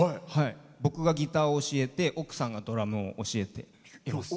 僕がギターを教えて奥さんがドラムを教えてます。